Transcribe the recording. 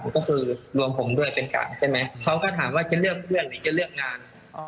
ก็คือรวมผมด้วยเป็นสามใช่ไหมเขาก็ถามว่าจะเลือกเพื่อนหรือจะเลือกงาน